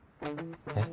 えっ。